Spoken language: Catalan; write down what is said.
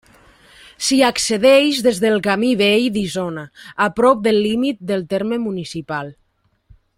S'hi accedeix des del Camí Vell d'Isona, a prop del límit del terme municipal.